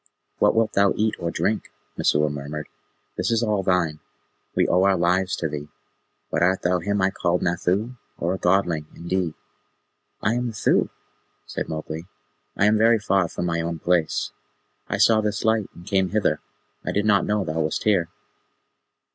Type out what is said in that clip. "What wilt thou eat or drink?" Messua murmured. "This is all thine. We owe our lives to thee. But art thou him I called Nathoo, or a Godling, indeed?" "I am Nathoo," said Mowgli, "I am very far from my own place. I saw this light, and came hither. I did not know thou wast here."